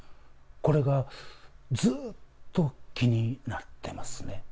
これが、ずーっと気になってますね。